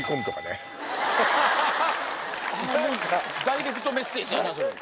ダイレクトメッセージやな。